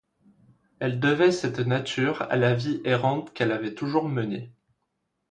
Elle devait cette nature à la vie errante qu'elle avait toujours menée.